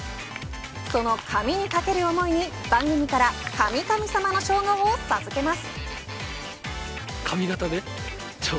その髪にかける思いに番組から髪神様の称号を授けます。